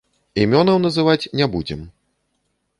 Імёнаў называць не будзем.